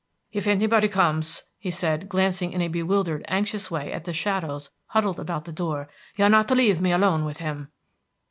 "If anybody comes," he said, glancing in a bewildered, anxious way at the shadows huddled about the door, "you are not to leave me alone with him."